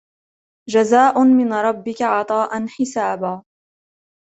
جزاء من ربك عطاء حسابا